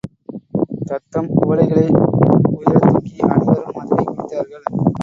தத்தம் குவளைகளை உயரத்துக்கி அனைவரும் மதுவைக் குடித்தார்கள்.